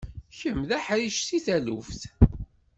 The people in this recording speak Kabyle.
Kemm d aḥric seg taluft.